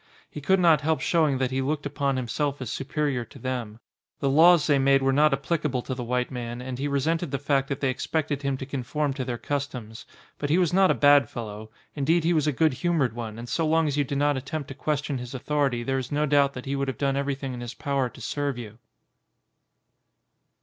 He could not help showing that he looked upon himself as superior to them. The laws they made 145 ON A CHINESE SCEEEN were not applicable to the white man and he re sented the fact that they expected him to con form to their customs. But he was not a bad fel low; indeed he was a good humoured one and so long as you did not attempt to question his au thority there is no doubt that he would have done everything in his power to serve you.